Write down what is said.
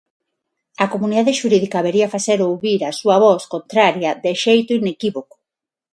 A comunidade xurídica habería facer ouvir a súa voz contraria de xeito inequívoco.